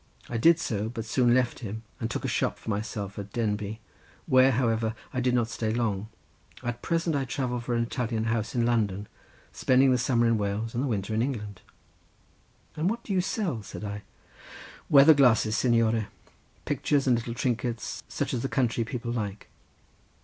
I did so, but soon left him, and took a shop for myself at Denbigh, where, however, I did not stay long. At present I travel for an Italian house in London, spending the summer in Wales and the winter in England." "And what do you sell?" said I. "Weather glasses, signore—pictures and little trinkets, such as the country people like."